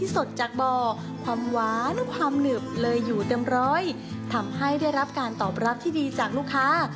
สดจากบ่อความหวานความหนึบเลยอยู่เต็มร้อยทำให้ได้รับการตอบรับที่ดีจากลูกค้า